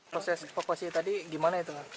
proses evakuasi tadi gimana itu